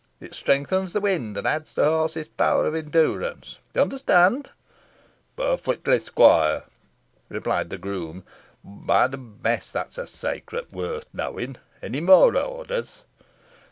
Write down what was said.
It strengthens the wind, and adds to a horse's power of endurance. You understand?" "Parfitly, squoire," replied the groom. "By th' mess! that's a secret worth knoain'. Onny more orders?"